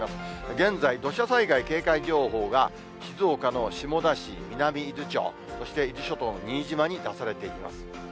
現在、土砂災害警戒情報が、静岡の下田市、南伊豆町、そして伊豆諸島の新島に出されています。